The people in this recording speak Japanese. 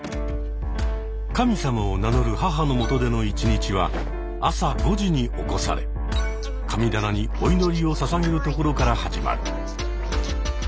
神様を名乗る母のもとでの一日は朝５時に起こされ神棚にお祈りをささげるところから始まる。